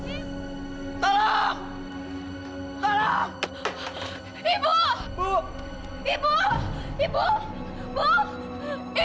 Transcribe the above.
itu kamu habis tenggelam li